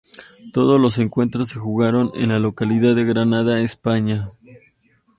Todos los encuentros se jugaron en la localidad de Granada, España.